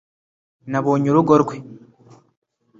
nabonye urugo rwe